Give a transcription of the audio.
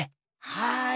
はい。